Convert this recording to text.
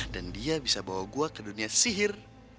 dan dia bisa bawa gue ke dunia sihir